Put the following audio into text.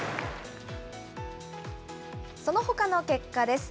そのほかの結果です。